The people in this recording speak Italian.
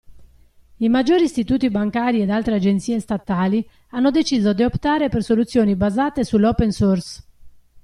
I maggiori istituti bancari ed altre agenzie statali hanno deciso di optare per soluzioni basate sull'open source.